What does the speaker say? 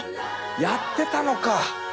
やってたのか！